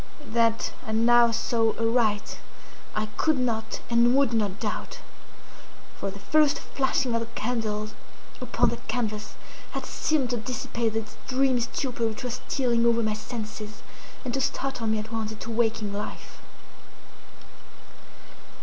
That I now saw aright I could not and would not doubt; for the first flashing of the candles upon that canvas had seemed to dissipate the dreamy stupor which was stealing over my senses, and to startle me at once into waking life.